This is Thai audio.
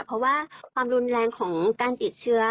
เพราะว่าความรุนแรงของการติดเชื้อ